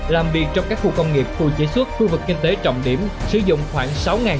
làm việc trong các khu công nghiệp khu chế xuất khu vực kinh tế trọng điểm sử dụng khoảng